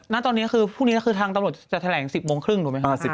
ณตอนนี้คือพรุ่งนี้คือทางตำรวจจะแถลง๑๐โมงครึ่งถูกไหมครับ